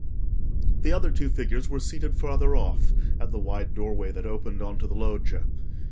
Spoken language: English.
The other two figures were seated farther off, at the wide doorway that opened on to the loggia.